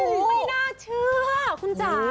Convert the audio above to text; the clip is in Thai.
ไม่น่าเชื่อคุณจ๋า